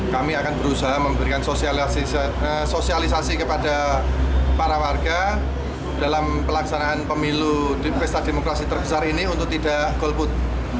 kami akan berusaha memberikan sosialisasi kepada para warga dalam pelaksanaan pemilu di pesta demokrasi terbesar ini untuk tidak golput